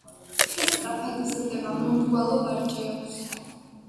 ხე სწრაფად იზრდება, მომრგვალო ვარჯი აქვს.